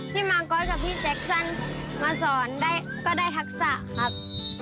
มาก๊อตกับพี่แจ็คสันมาสอนได้ก็ได้ทักษะครับ